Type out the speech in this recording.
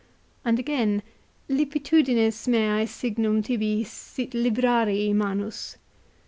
And again, " Lip " pitudinis meae signum tibi sit librarii manus."